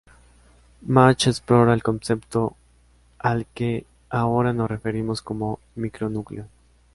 Mach explora el concepto al que ahora nos referimos como micronúcleo.